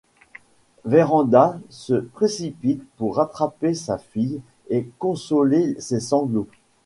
Vérand’a se précipite pour rattraper sa fille et consoler ses sanglots.